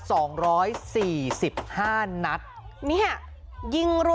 สวัสดีทุกคน